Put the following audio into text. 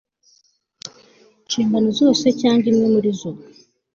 nshingano zose cyangwa imwe muri zo